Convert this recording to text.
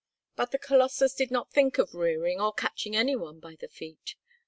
But the colossus did not think of rearing or catching any one by the feet.